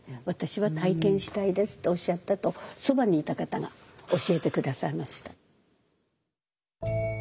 私は体験したいですっておっしゃったとそばにいた方が教えて下さいました。